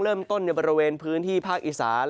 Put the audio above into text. เริ่มต้นในบริเวณพื้นที่ภาคอีสาน